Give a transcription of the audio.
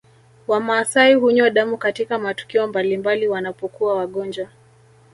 Wamaasai hunywa damu katika matukio mbalimbali wanapokuwa wagonjwa